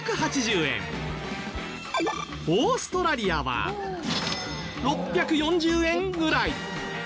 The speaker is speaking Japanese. オーストラリアは６４０円ぐらい。